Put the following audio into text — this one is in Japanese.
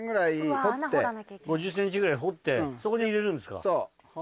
５０ｃｍぐらい掘ってそこに入れるんですか。